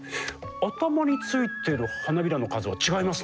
頭についてる花びらの数は違いますね。